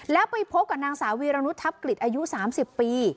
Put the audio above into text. แล้วไปพบกับนางสาววีรณุทัพกฤษอายุ๓๐ปี